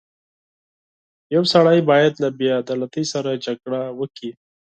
• یو سړی باید له بېعدالتۍ سره جګړه وکړي.